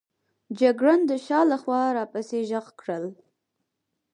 جګړن د شا له خوا را پسې ږغ کړل.